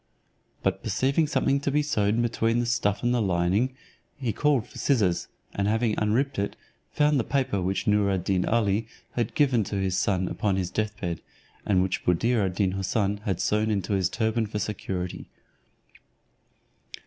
But perceiving something to be sewed between the stuff and the lining, he called for scissors, and having unripped it, found the paper which Noor ad Deen Ali had given to his son upon his deathbed, and which Buddir ad Deen Houssun had sewn in his turban for security.